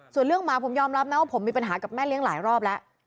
ส่วนเรื่องหมาผมยอมรับนะว่าผมมีปัญหากับแม่เลี้ยงหลายรอบแล้ว